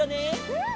うん！